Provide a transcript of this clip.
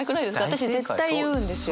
私絶対言うんですよ。